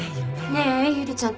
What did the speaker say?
ねえゆりちゃん